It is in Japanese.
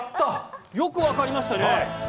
よく分かりましたね。